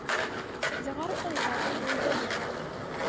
ځغاسته د تعادل روزنه ده